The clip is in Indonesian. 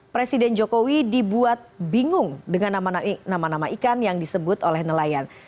presiden jokowi dibuat bingung dengan nama nama ikan yang disebut oleh nelayan